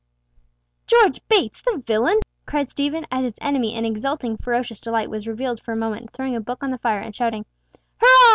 "George Bates, the villain!" cried Stephen, as his enemy in exulting ferocious delight was revealed for a moment throwing a book on the fire, and shouting, "Hurrah!